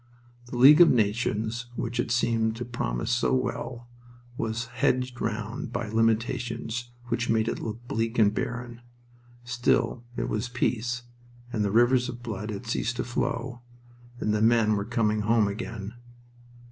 The League of Nations, which had seemed to promise so well, was hedged round by limitations which made it look bleak and barren. Still it was peace, and the rivers of blood had ceased to flow, and the men were coming home again...